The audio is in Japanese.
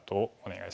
はい。